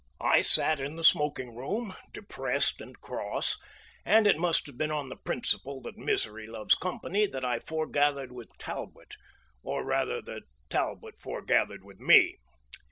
I sat in the smoking room, depressed and cross, and it must have been on the principle that misery loves company that I forgathered with Talbot, or rather that Talbot forgathered with me.